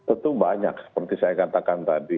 itu banyak seperti saya katakan tadi